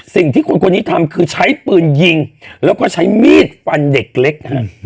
สิ่งที่คนคนนี้ทำคือใช้ปืนยิงแล้วก็ใช้มีดฟันเด็กเล็กฮะ